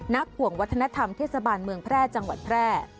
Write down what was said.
ห่วงวัฒนธรรมเทศบาลเมืองแพร่จังหวัดแพร่